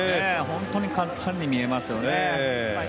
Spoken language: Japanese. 本当に簡単に見えますよね。